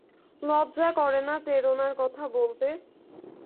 লজ্জা করে না প্রেরণার কথা বলতে?